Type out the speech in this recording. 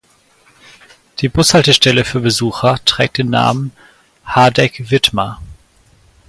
Die Bushaltestelle für Besucher trägt den Namen "Hardegg Vidmar".